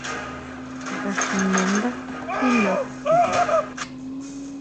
¿Ngajin nandá tjima ti?